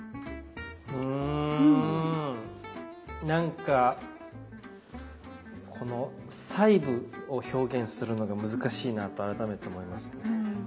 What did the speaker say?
うんなんかこの細部を表現するのが難しいなと改めて思いますね。